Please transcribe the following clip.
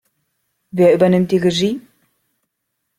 Wer übernimmt die Regie?